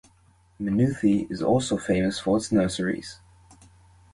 Mannuthy is also famous for its nurseries.